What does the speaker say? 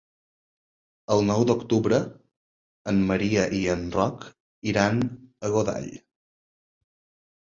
El nou d'octubre en Maria i en Roc iran a Godall.